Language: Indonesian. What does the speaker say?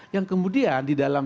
yang kemudian di dalam